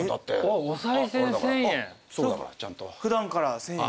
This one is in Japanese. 普段から１，０００円。